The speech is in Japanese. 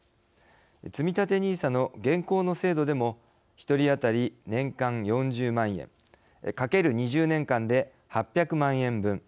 つみたてＮＩＳＡの現行の制度でも１人当たり年間４０万円×２０年間で８００万円分。